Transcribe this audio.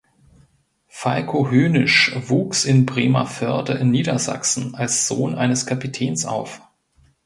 Falko Hönisch wuchs in Bremervörde in Niedersachsen als Sohn eines Kapitäns auf.